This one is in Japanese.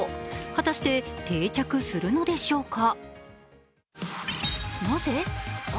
果たして定着するのでしょうか。